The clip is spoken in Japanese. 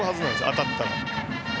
当たったら。